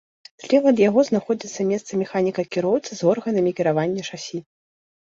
Злева ад яго знаходзіцца месца механіка-кіроўцы з органамі кіравання шасі.